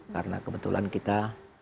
karena kebetulan kita